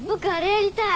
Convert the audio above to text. やりたい！